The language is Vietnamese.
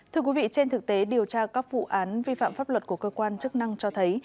thưa quý vị trên thực tế điều tra các vụ án vi phạm pháp luật của cơ quan chức năng cho thấy